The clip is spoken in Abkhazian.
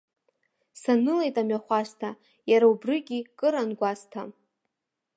Санылеит амҩахәасҭа, иара убрыгьы кыр иангәасҭа.